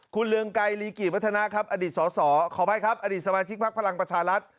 คุณเรืองไกรลีกีดวัฒนาอดีตสมาชิกพักพลังประชารรัฐ